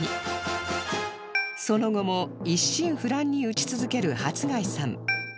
その後も一心不乱に打ち続ける初谷さん